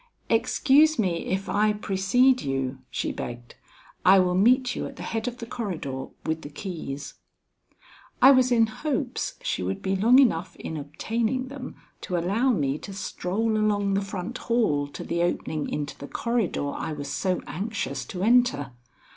"Excuse me, if I precede you," she begged. "I will meet you at the head of the corridor with the keys." I was in hopes she would be long enough in obtaining them to allow me to stroll along the front hall to the opening into the corridor I was so anxious to enter.